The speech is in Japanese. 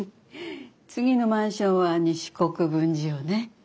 次のマンションは西国分寺よね。